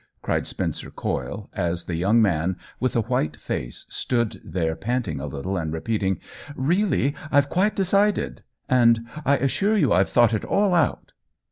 '* cried Spencer Coyle, as the young man, with a white face, stood there panting a little, and repeating, " Really, I've quite decided," and " I assure you I've thought it all out."